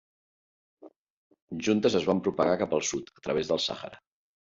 Juntes es van propagar cap al sud, a través del Sàhara.